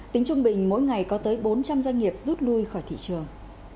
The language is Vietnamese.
tính trung bình mỗi ngày có tới bốn trăm linh doanh nghiệp rút lui khỏi thị trường